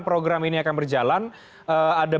program ini akan berjalan ada